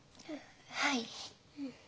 はい。